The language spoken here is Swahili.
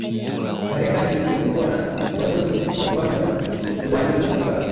Marekani ilifungua rasmi ubalozi wa kwanza visiwani Zanzibar